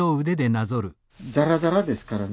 ザラザラですからね。